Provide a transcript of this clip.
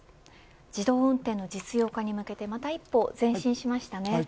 自動運転の実用化に向けてまた一歩前進しましたね。